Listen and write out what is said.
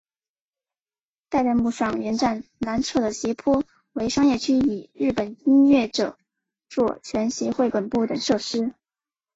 代代木上原站南侧的斜坡为商业区与日本音乐着作权协会本部等设施。